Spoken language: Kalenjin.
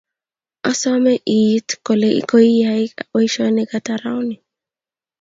Asome iit ile koiyai boisionik ata rauni